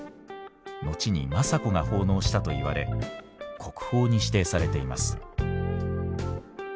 後に政子が奉納したといわれ国宝に指定されています。